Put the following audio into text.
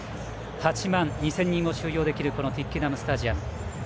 ８万２０００人を収容できるこのトゥイッケナムスタジアム。